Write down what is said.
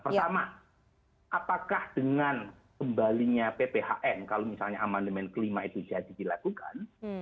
pertama apakah dengan kembalinya pphn kalau misalnya amandemen kelima itu jadi dilakukan